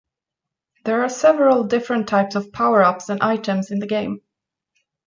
There are several different types of power-ups and items in the game.